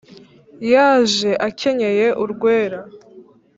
yaje akenyeye urwera,